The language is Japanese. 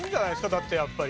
だってやっぱり。